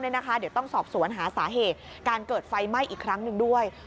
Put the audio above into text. เดี๋ยวต้องสอบสวนหาสาเหตุการเกิดไฟไหม้อีกครั้งหนึ่งด้วย